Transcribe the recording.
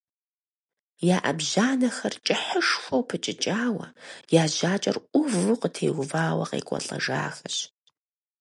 Я Ӏэбжьанэхэр кӀыхьышхуэу пыкӀыкӀауэ, я жьакӀэр Ӏуву къытеувауэ къекӀуэлӀэжахэщ.